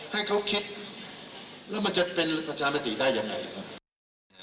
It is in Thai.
ให้เขาคิดแล้วมันจะเป็นประชามติได้ยังไงครับ